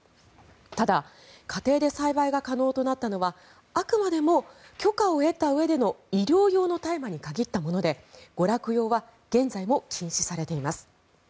ただ家庭で栽培が可能となったのはあくまでも許可を得たうえでの医療用の大麻に限ったもので娯楽用は現在も禁止されています。